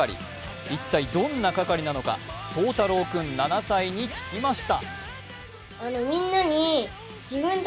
一体どんな係なのか、そうたろう君７歳に聞きました。